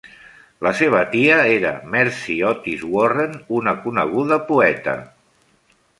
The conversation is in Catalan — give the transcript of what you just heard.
La seva tia era Mercy Otis Warren, una coneguda poeta.